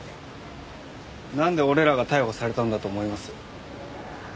なんで俺らが逮捕されたんだと思います？